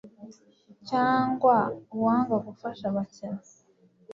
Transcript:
cyangwa uwanga gufasha abakene